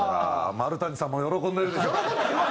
丸谷さんも喜んでるでしょう。